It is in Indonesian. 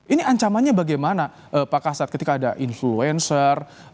ini ancamannya bagaimana pak kasat ketika ada influencer